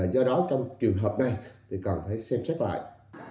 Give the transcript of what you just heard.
do đó trong trường hợp này thì cần phải xem xét lại